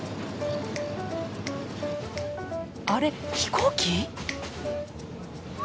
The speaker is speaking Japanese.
あれ飛行機？